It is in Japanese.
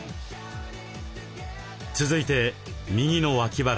続いて右の脇腹。